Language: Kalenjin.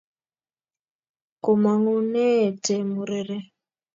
Komang’une te murere